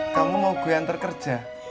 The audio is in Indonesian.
kamu mau gue antar kerja